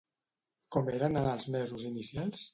Com eren en els mesos inicials?